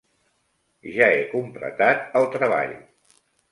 Ja he completat el treball.